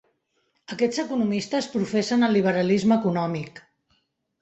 Aquests economistes professen el liberalisme econòmic.